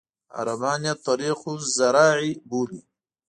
عربان یې طریق الزراعي بولي.